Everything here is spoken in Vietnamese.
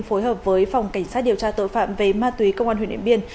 phối hợp với phòng cảnh sát điều tra tội phạm về ma túy công an huyện điện biên